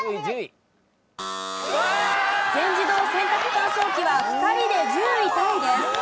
全自動洗濯乾燥機は２人で１０位タイです。